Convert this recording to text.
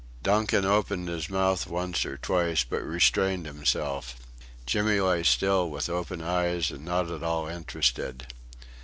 Donkin opened his mouth once or twice, but restrained himself. Jimmy lay still with open eyes and not at all interested.